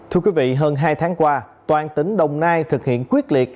thưa quý vị hơn hai tháng qua toàn tỉnh đồng nai thực hiện quyết liệt